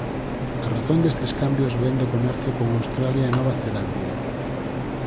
A razón destes cambios vén do comercio con Australia e Nova Zelandia.